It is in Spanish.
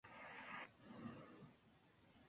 Murieron un número no determinado de afganos.